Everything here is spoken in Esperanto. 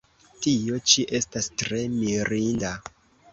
Tio ĉi estas tre mirinda!